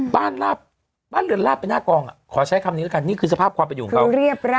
บ้านเรือนราบเป็นหน้ากรองอ่ะขอใช้คำนี้กันนี่คือสภาพความเป็นอยู่ของเขา